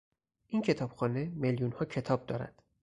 این کتابخانه میلیونها کتاب دارد.